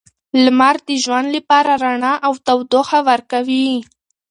لمر د ژوند لپاره رڼا او تودوخه ورکوي.